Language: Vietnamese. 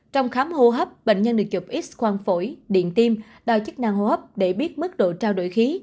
trong khám hồ hấp bệnh nhân được chụp x quang phổi điện tim đòi chức năng hồ hấp để biết mức độ trao đổi khí